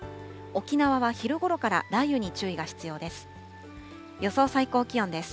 沖縄は昼ごろから雷雨に注意が必要です。